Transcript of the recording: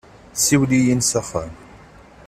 Siwel-iyi-n s axxam.